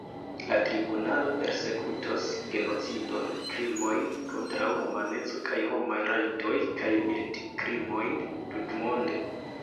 La tribunalo persekutos genocidon, krimojn kontraŭ humaneco kaj homaj rajtoj kaj militkrimojn, tutmonde.